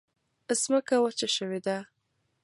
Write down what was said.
ځمکه وچه شوې ده.